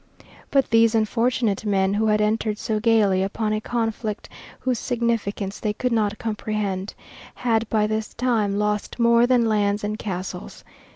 But these unfortunate men, who had entered so gayly upon a conflict whose significance they could not comprehend, had by this time lost more than lands and castles.